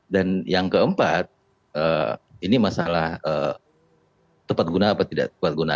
dan yang keempat ini masalah tepat guna apa tidak tepat guna